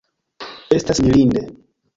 Estas mirinde!